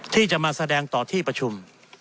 ที่จะมาแสดงต่อที่ประชุม